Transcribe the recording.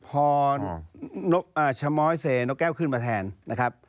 พอชะม้อยเซนกแก้วขึ้นมาแทนนะครับ